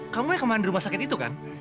kamu yang kemarin di rumah sakit itu kan